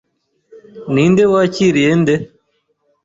Ninde wakiriye nde?